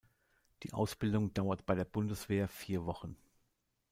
Die Ausbildung dauert bei der Bundeswehr vier Wochen.